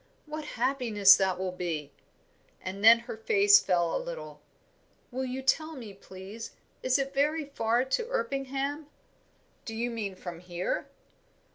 What happiness that will be!" And then her face fell a little. "Will you tell me, please, is it very far to Erpingham?" "Do you mean from here?"